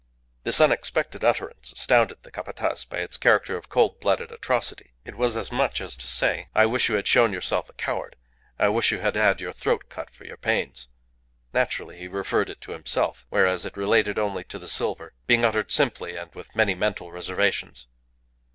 This unexpected utterance astounded the Capataz by its character of cold blooded atrocity. It was as much as to say, "I wish you had shown yourself a coward; I wish you had had your throat cut for your pains." Naturally he referred it to himself, whereas it related only to the silver, being uttered simply and with many mental reservations.